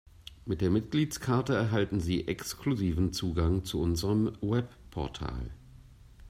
Mit der Mitgliedskarte erhalten Sie exklusiven Zugang zu unserem Webportal.